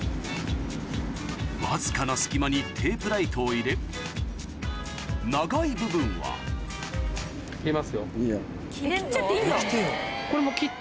わずかな隙間にテープライトを入れ長い部分は・切りますよ・いいよ。